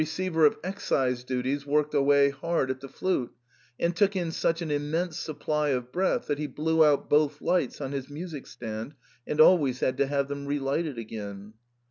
ceiver of excise duties worked away hard at the flute, and took in such an immense supply of breath that he blew out both lights on his music stand, and always had to have them relighted again.